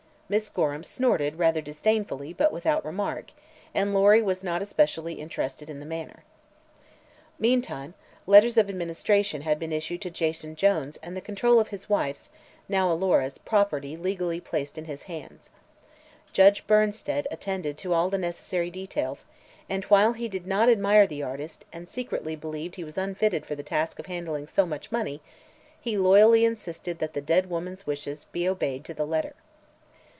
Miss Gorham snorted rather disdainfully but without remark, and Lory was not especially interested in the matter. Meantime, letters of administration had been issued to Jason Jones and the control of his wife's now Alora's property legally placed in his hands. Judge Bernsted attended to all the necessary details and, while he did not admire the artist and secretly believed he was unfitted for the task of handling so much money, he loyally insisted that the dead woman's wishes be obeyed to the letter.